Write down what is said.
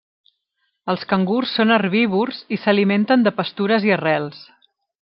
Els cangurs són herbívors i s'alimenten de pastures i arrels.